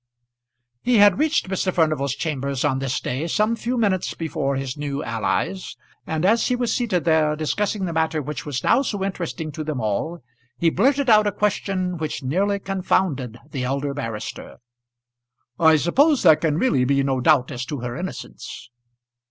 He had reached Mr. Furnival's chambers on this day some few minutes before his new allies, and as he was seated there discussing the matter which was now so interesting to them all, he blurted out a question which nearly confounded the elder barrister. "I suppose there can really be no doubt as to her innocence?"